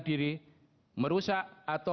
diri merusak atau